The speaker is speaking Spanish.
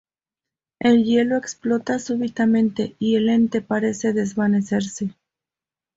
El hielo explota súbitamente y el ente parece desvanecerse.